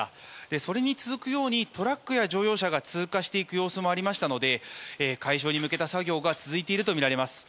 それに続くようにトラックや乗用車が通過していく様子がありましたので解消に向けた作業が続いているとみられます。